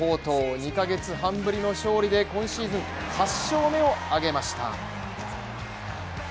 ２カ月半ぶりの勝利で今シーズン８勝目を挙げました。